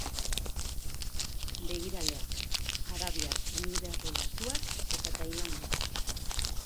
Begiraleak: Arabiar Emirerri Batuak eta Tailandia.